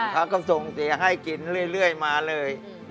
เขาก็ส่งเสียให้กินเรื่อยมาเลย